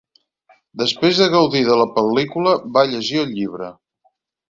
Després de gaudir de la pel·lícula, va llegir el llibre.